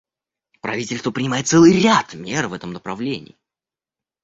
Правительство принимает целый ряд мер в этом направлении.